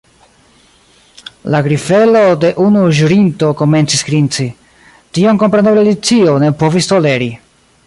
La grifelo de unu ĵurinto komencis grinci. Tion kompreneble Alicio ne povis toleri.